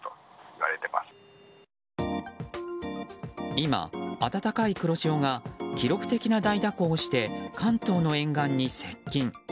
今、温かい黒潮が記録的な大蛇行をして関東の沿岸に接近。